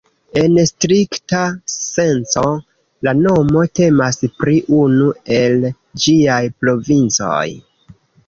En strikta senco, la nomo temas pri unu el ĝiaj provincoj.